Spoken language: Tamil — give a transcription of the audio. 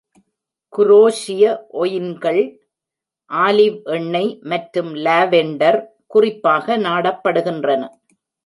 குரோஷிய ஒயின்கள், ஆலிவ் எண்ணெய் மற்றும் லாவெண்டர் குறிப்பாக நாடப்படுகின்றன.